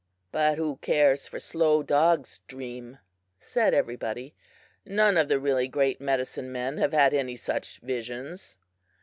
"But who cares for Slow Dog's dream?" said everybody; "none of the really great medicine men have had any such visions!"